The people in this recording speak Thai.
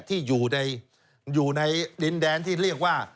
ที่อยู่ในดินแดนที่เรียกว่า